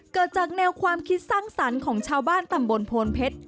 เกิดจากแนวความคิดสร้างสรรค์ของชาวบ้านตำบลโพนเพชร